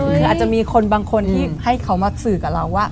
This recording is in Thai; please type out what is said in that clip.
คืออาจจะมีคนบางคนที่ให้เขามาสื่อกับเราว่า